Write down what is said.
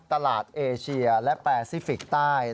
เอเชียและแปซิฟิกใต้